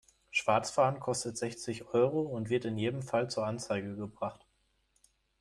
Schwarzfahren kostet sechzig Euro und wird in jedem Fall zur Anzeige gebracht.